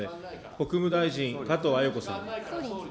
国務大臣、加藤鮎子さん。